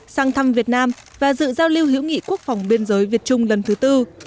sang thăm việt nam và dự giao lưu hữu nghị quốc phòng biên giới việt trung lần thứ tư